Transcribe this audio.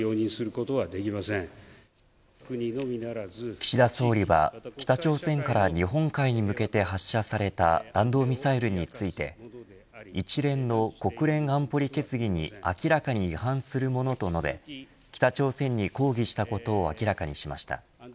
岸田総理は北朝鮮から日本海に向けて発射された弾道ミサイルについて一連の国連安保理決議に明らかに違反するものと述べ北朝鮮に抗議したことを明らかにしました。